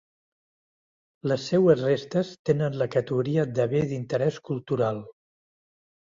Les seues restes tenen la categoria de Bé d'Interés Cultural.